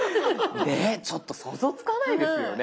ちょっと想像つかないですよね。